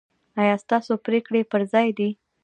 ایا ستاسو پریکړې پر ځای دي؟